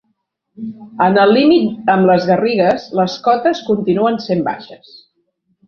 En el límit amb les Garrigues les cotes continuen sent baixes.